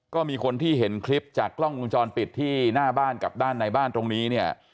ก็มีคนที่เห็นคลิปจากกล้องวงจรปิดที่หน้าบ้านกับด้านในบ้านตรงนี้เนี่ย